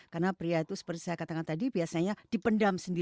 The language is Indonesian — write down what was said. karena pria itu seperti saya katakan tadi biasanya dipendam sendiri